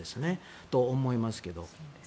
そう思いますけど。